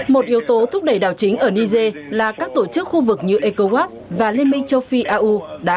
một yếu tố thúc đẩy đảo chính ở niger là các tổ chức khu vực như ecowas và liên minh châu phi au